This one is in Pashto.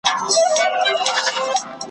زما یې د شبقدر په ماښام قلم وهلی ,